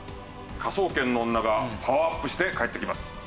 『科捜研の女』がパワーアップして帰ってきます。